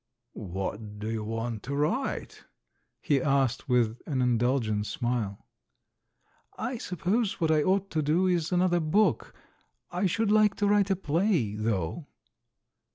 "What do you want to write?" he asked, with an indulgent smile. "I suppose what I ought to do is another book; I should like to write a play, though."